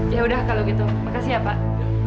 ya udah kalau gitu makasih ya pak